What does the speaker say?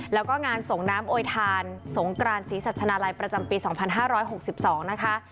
แล้วก็งานสงด์นำโอยธานสงส์กรานศรีสัจฉนาลัยประจำปีสองพันห้าร้อยหกสิบสอง